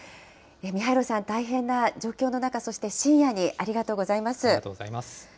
ミハイロさん、大変な状況の中、そして深夜にありがとうございまありがとうございます。